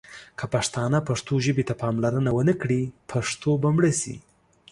که پښتانه پښتو ژبې ته پاملرنه ونه کړي ، پښتو به مړه شي.